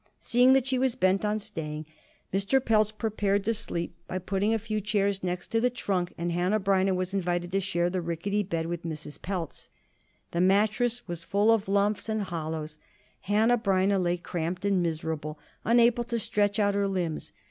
Seeing that she was bent on staying, Mr. Pelz prepared to sleep by putting a few chairs next to the trunk, and Hanneh Breineh was invited to share the rickety bed with Mrs. Pelz. The mattress was full of lumps and hollows. Hanneh Breineh lay cramped and miserable, unable to stretch out her limbs.